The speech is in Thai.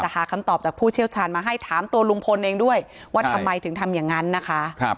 หาคำตอบจากผู้เชี่ยวชาญมาให้ถามตัวลุงพลเองด้วยว่าทำไมถึงทำอย่างนั้นนะคะ